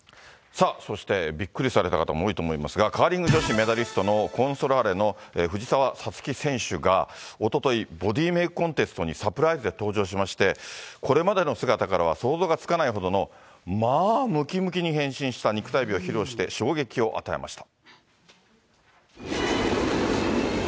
そしてびっくりされた方も多いと思いますが、カーリング女子メダリストのロコ・ソラーレの藤澤五月さんがおととい、ボディメイクコンテストにサプライズで登場しまして、これまでの姿からは想像がつかないほどの、まあ、むきむきに変身した肉体美を披露して、衝撃を与えました。